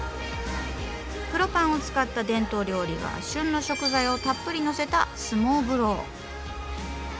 黒パンを使った伝統料理が旬の食材をたっぷりのせたスモーブロー。